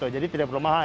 jadi tidak perlu mahal